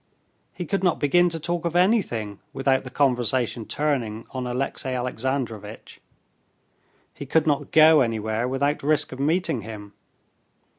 He could not begin to talk of anything without the conversation turning on Alexey Alexandrovitch; he could not go anywhere without risk of meeting him.